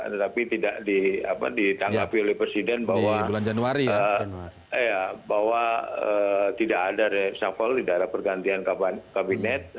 tetapi tidak ditanggapi oleh presiden bahwa tidak ada reshuffle di daerah pergantian kabinet